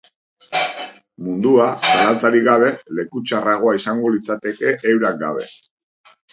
Mundua, zalantzarik gabe, leku txarragoa izango litzateke eurak gabe.